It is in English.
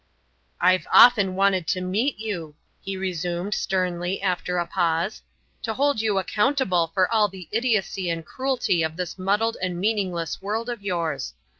"I've often wanted to meet you," he resumed, sternly, after a pause, "to hold you accountable for all the idiocy and cruelty of this muddled and meaningless world of yours.